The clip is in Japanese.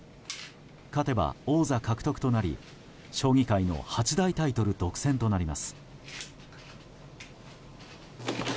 勝てば王座獲得となり将棋界の八大タイトル独占となります。